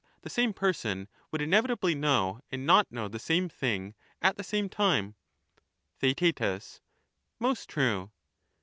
the same person would inevitably know and not know the socrates, same thing at the same time. Theaet, Most true.